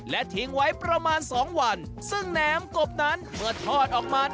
และทิ้งไว้ประมาณสองวันซึ่งแหนมกบนั้นเมื่อทอดออกมา